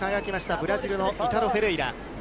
ブラジルのイタロ・フェレイラ。